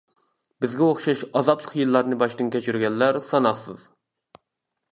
بىزگە ئوخشاش ئازابلىق يىللارنى باشتىن كەچۈرگەنلەر ساناقسىز.